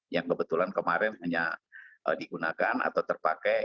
yang kebetulan kemarin hanya digunakan atau terpakai